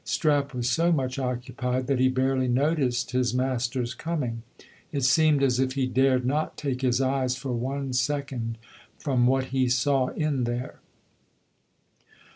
Strap was so much occupied that he barely noticed his master's coming; it seemed as if he dared not take his eyes for one second from what he saw in there.